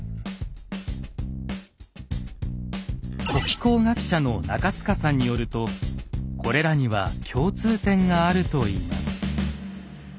古気候学者の中塚さんによるとこれらには共通点があるといいます。